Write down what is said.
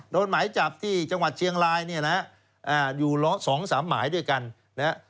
หมายจับที่จังหวัดเชียงรายเนี่ยนะฮะอยู่สองสามหมายด้วยกันนะฮะ